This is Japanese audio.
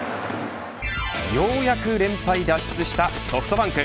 ようやく連敗脱出したソフトバンク。